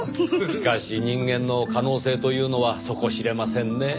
しかし人間の可能性というのは底知れませんねぇ。